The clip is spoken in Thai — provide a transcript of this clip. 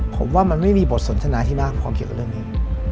ผมว่ามันไม่มีบทสนทนาที่มากความเกี่ยวกับเรื่องนี้